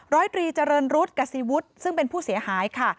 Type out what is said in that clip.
ร้อยตรีเจริญรุธกษีวุฒิซึ่งเป็นผู้เสียหายค่ะ